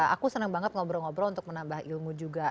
aku senang banget ngobrol ngobrol untuk menambah ilmu juga